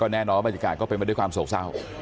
แน่นอนว่าบริการก็เป็นมาด้วยความโฉ่เว่ย